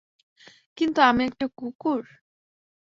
কিন্তু, আমি একটা কুকুর!